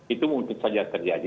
itu mungkin saja terjadi